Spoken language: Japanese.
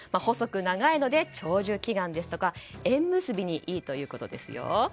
細く長いので、長寿祈願ですとか縁結びにいいということですよ。